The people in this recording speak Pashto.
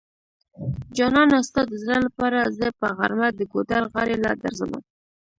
جانانه ستا د زړه لپاره زه په غرمه د ګودر غاړی له درځمه